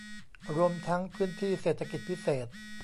รวมทั้งพื้นที่เศรษฐกิจพิเศษ